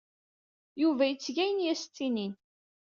Yuba yetteg ayen ay as-ttinin.